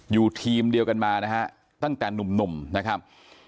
อยู่ทีมเดียวกันมานะฮะตั้งแต่หนุ่มนะครับ